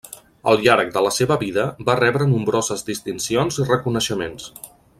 Al llarg de la seva vida va rebre nombroses distincions i reconeixements.